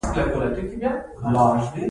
د شکرپارې انځر ډیر خوندور وي